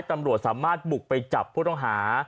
ตำรวจสามารถบุกไปจับผู้ต้องหา